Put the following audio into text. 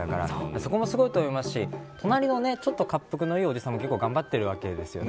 そこもすごいと思いますし隣の恰幅のいいおじさんも頑張ってるわけですよね。